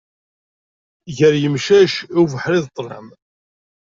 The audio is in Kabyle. Gar yemcac, i ubeḥri d ṭlam.